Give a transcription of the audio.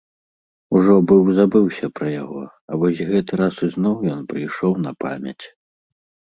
Ужо быў забыўся пра яго, а вось гэты раз ізноў ён прыйшоў на памяць.